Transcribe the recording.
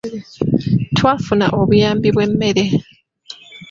Twafuna obuyambi bw'emmere.